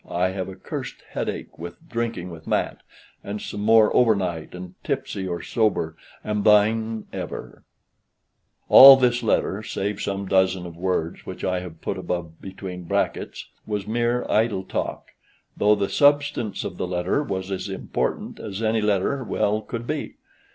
I have a cursed headache with drinking with Mat and some more over night, and tipsy or sober am "Thine ever ." All this letter, save some dozen of words which I have put above between brackets, was mere idle talk, though the substance of the letter was as important as any letter well could be.